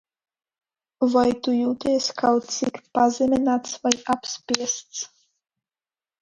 Vai tu jūties kaut cik pazemināts vai apspiests?